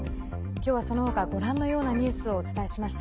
今日は、その他ご覧のようなニュースをお伝えしました。